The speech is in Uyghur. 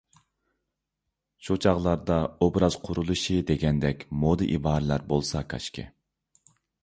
شۇ چاغلاردا «ئوبراز قۇرۇلۇشى» دېگەندەك مودا ئىبارىلەر بولسا كاشكى.